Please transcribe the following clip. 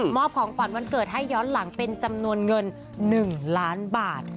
อบของขวัญวันเกิดให้ย้อนหลังเป็นจำนวนเงิน๑ล้านบาท